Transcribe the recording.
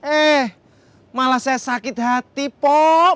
eh malah saya sakit hati po